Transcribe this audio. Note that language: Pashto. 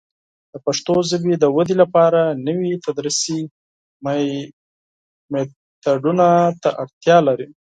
د پښتو ژبې د ودې لپاره نوي تدریسي میتودونه ته اړتیا ده.